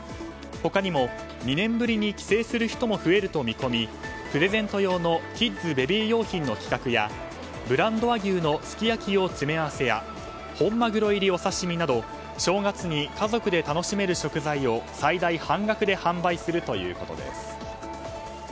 他にも２年ぶりに帰省する人も増えると見込みプレゼント用のキッズ・ベビー用品の企画やブランド和牛のすき焼き用詰め合わせや本マグロ入りお刺し身など正月に家族で楽しめる食材を最大半額で販売するということです。